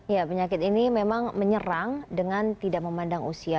ya penyakit ini memang menyerang dengan tidak memandang usia